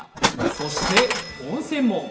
そして温泉も。